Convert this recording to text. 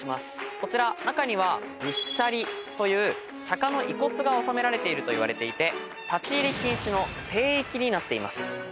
こちら中には仏舎利という釈迦の遺骨が納められているといわれていて立ち入り禁止の聖域になっています。